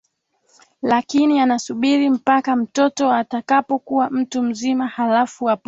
lakini yanasubiri mpaka mtoto atakapokuwa mtu mzima halafu apokee